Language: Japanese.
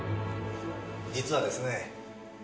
実はですね